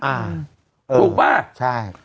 อ่าถูกปะใช่